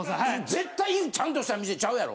絶対ちゃんとした店ちゃうやろ。